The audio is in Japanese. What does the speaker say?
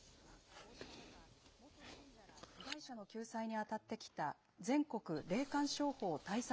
こうした中、元信者ら、被害者の救済に当たってきた全国霊感商法対策